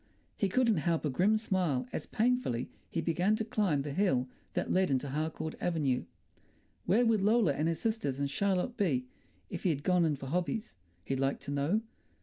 He couldn't help a grim smile as painfully he began to climb the hill that led into Harcourt Avenue. Where would Lola and her sisters and Charlotte be if he'd gone in for hobbies, he'd like to know?